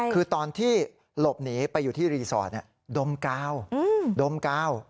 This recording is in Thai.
คือตอนที่หลบหนีไปอยู่ที่รีสอร์ทดมกาวดมกาว